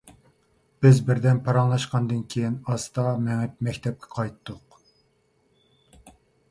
بىز بىردەم پاراڭلاشقاندىن كېيىن، ئاستا مېڭىپ مەكتەپكە قايتتۇق.